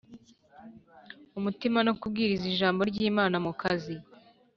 umutima no kubwiriza Ijambo ry Imana mu kazi